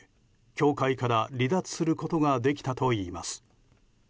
教会から離脱することができたといいます。